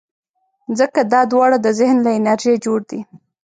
ځکه دا دواړه د ذهن له انرژۍ جوړ دي.